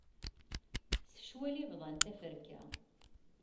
S ccwal i bḍan taferka.